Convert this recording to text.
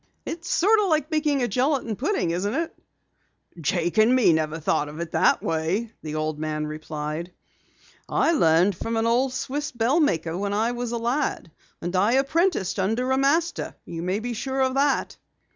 "It's sort of like making a gelatin pudding, isn't it?" "Jake and me never thought of it that way," the old man replied. "I learned from an old Swiss bell maker when I was a lad. And I apprenticed under a master, you may be sure of that."